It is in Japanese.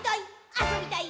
あそびたい！